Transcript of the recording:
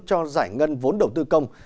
cho giải ngân vốn đầu tư công